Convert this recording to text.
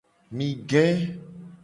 Mi ge.